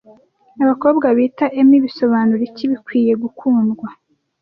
Abakobwa bita Amy bisobanura iki Bikwiye gukundwa